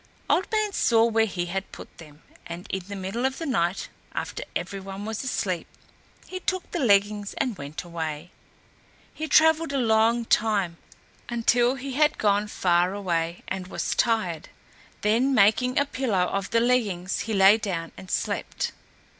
Old Man saw where he had put them, and in the middle of the night, after every one was asleep, he took the leggings and went away. He travelled a long time, until he had gone far and was tired; then making a pillow of the leggings he lay down and slept.